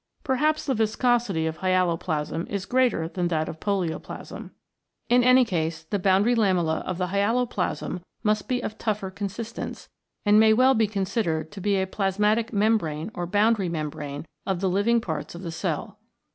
Perhaps the viscosity of hyaloplasm is greater than that of polioplasm. In any case the boundary lamella of the hyaloplasm must be of tougher consistence, and may be well considered to be a plasmatic membrane or boundary membrane of the living parts of the cell.